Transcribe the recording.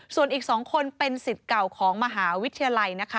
ส่วนอีก๒คนเป็นสิทธิ์เก่าของมหาวิทยาลัยนะคะ